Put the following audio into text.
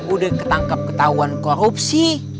udah ketangkep ketahuan korupsi